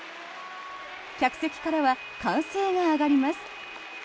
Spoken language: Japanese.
客席からは歓声が上がります。